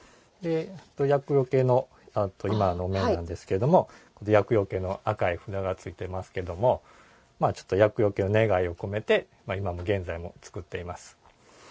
厄よけのお面なんですけれども厄よけの赤い札がついてますけども厄よけの願いを込めて現在も作っています。